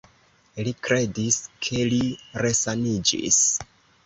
Li kredis, ke li resaniĝis.